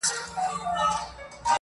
• له خوشحاله بیا تر اوسه ارمانجن یو -